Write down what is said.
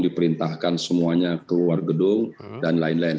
diperintahkan semuanya keluar gedung dan lain lain